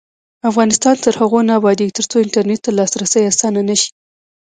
افغانستان تر هغو نه ابادیږي، ترڅو انټرنیټ ته لاسرسی اسانه نشي.